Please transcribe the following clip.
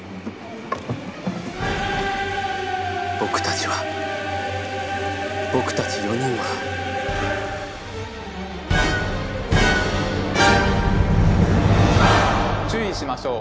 僕たちは僕たち４人は注意しましょう！